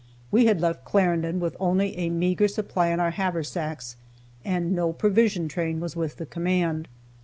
We had left Clarendon with only a meager supply in our haversacks, and no provision train was with the command.